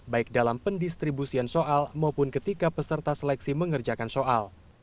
baik dalam pendistribusian soal maupun ketika peserta seleksi mengerjakan soal